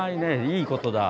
いいことだ。